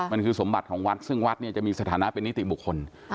มันคือสมบัติของวัดซึ่งวัดเนี่ยจะมีสถานะเป็นนิติบุคคล